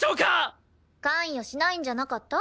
関与しないんじゃなかった？